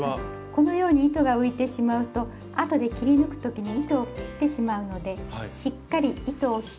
このように糸が浮いてしまうと後で切り抜く時に糸を切ってしまうのでしっかり糸を引いておきましょう。